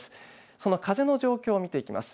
その風の状況を見ていきます。